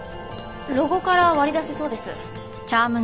ロゴから割り出せそうです。